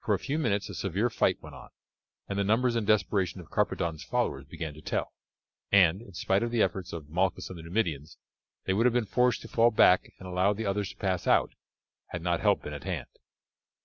For a few minutes a severe fight went on, and the numbers and desperation of Carpadon's followers began to tell, and, in spite of the efforts of Malchus and the Numidians, they would have been forced to fall back and allow the others to pass out, had not help been at hand.